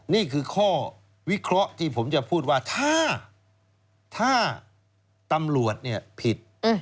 นี่คือข้อวิเคราะห์ที่ผมจะพูดว่าถ้าตำรวจผิด